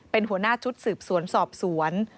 เป็นหัวหน้าชุดสืบสวนสอบสวน